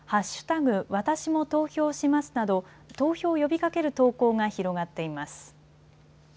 わたしも投票しますなど投票を呼びかける投稿が広がっています。